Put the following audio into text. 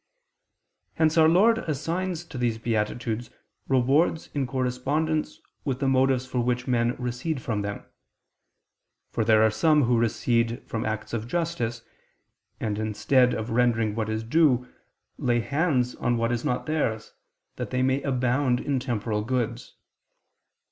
Hence Our Lord assigns to these beatitudes rewards in correspondence with the motives for which men recede from them. For there are some who recede from acts of justice, and instead of rendering what is due, lay hands on what is not theirs, that they may abound in temporal goods.